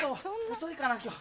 遅いかな今日。